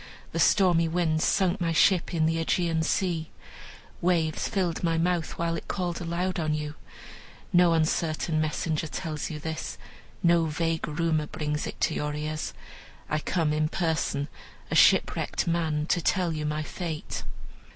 The stormy winds sunk my ship in the Aegean Sea, waves filled my mouth while it called aloud on you. No uncertain messenger tells you this, no vague rumor brings it to your ears. I come in person, a shipwrecked man, to tell you my fate.